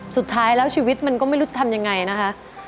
สุดท้ายแล้วชีวิตมันก็ไม่รู้จะทำยังไงนะคะ